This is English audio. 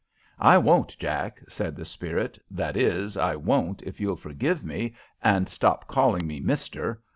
"I won't, Jack," said the spirit "that is, I won't if you'll forgive me and stop calling me mister.